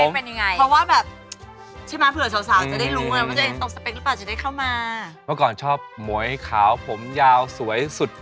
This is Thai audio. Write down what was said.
เมื่อก่อนชอบมวยขาวผมยาวสวยสุด